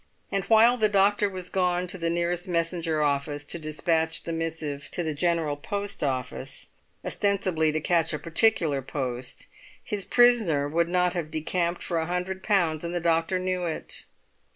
And while the doctor was gone to the nearest messenger office to despatch the missive to the General Post Office, ostensibly to catch a particular post, his prisoner would not have decamped for a hundred pounds, and the doctor knew it.